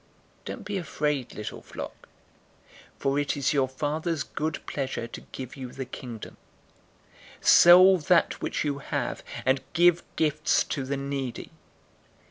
012:032 Don't be afraid, little flock, for it is your Father's good pleasure to give you the Kingdom. 012:033 Sell that which you have, and give gifts to the needy.